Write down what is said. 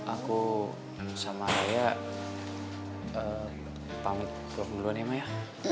aku sama raya pamit kebeluan ya maya